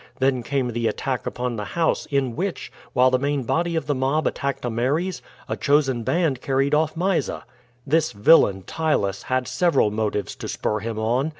Then came the attack upon the house, in which, while the main body of the mob attacked Ameres, a chosen band carried off Mysa. "This villain, Ptylus, had several motives to spur him on.